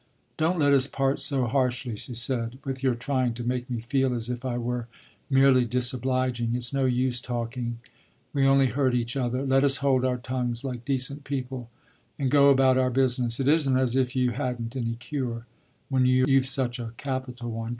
"Don't let us part so harshly," she said "with your trying to make me feel as if I were merely disobliging. It's no use talking we only hurt each other. Let us hold our tongues like decent people and go about our business. It isn't as if you hadn't any cure when you've such a capital one.